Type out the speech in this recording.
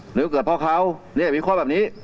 หรือมันเกิดเพราะเขาเช่นมีข้อแบบนี้